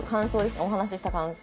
お話しした感想。